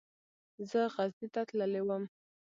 زه غزني ته تللی وم.